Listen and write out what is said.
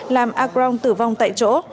làm a crong tử vong tại chỗ